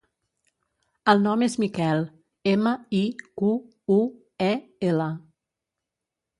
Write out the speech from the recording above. El nom és Miquel: ema, i, cu, u, e, ela.